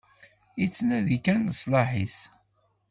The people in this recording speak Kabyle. Yettnadi kan leṣlaḥ-is.